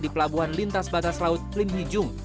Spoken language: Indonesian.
di pelabuhan lintas batas laut lim hijung